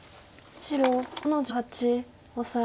白５の十八オサエ。